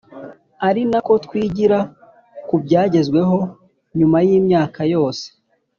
arinako twigira kubyagezweho nyuma y’imyaka yose